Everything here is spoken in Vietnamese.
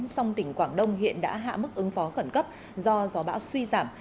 song tỉnh quảng đông hiện đã hạ mức ứng phó khẩn cấp do gió bão suy giảm